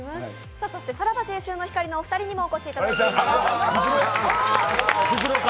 そしてさらば青春の光のお二人にもお越しいただいています。